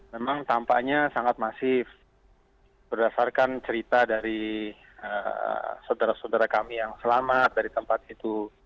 memang tampaknya sangat masif berdasarkan cerita dari saudara saudara kami yang selamat dari tempat itu